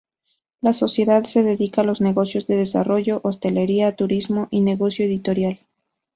La sociedad se dedica a los negocios de desarrollo, hostelería, turismo y negocio editorial.